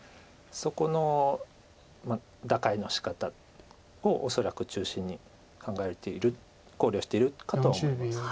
そこの打開のしかたを恐らく中心に考えている考慮しているかとは思います。